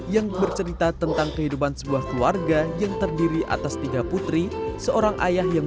yang bercerita tentang kehidupan sebuah keluarga yang terdiri atas tiga putri seorang ayah yang